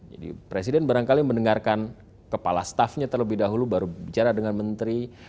jadi presiden barangkali mendengarkan kepala stafnya terlebih dahulu baru bicara dengan menteri